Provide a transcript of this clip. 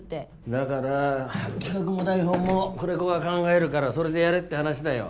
だから企画も台本も久連木が考えるからそれでやれって話だよ。